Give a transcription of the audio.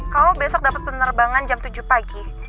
kalau besok dapat penerbangan jam tujuh pagi